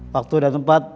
waktu dan tempat